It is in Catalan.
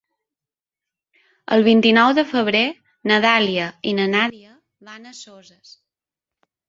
El vint-i-nou de febrer na Dàlia i na Nàdia van a Soses.